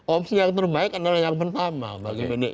opsi yang terbaik adalah yang pertama bagi bdi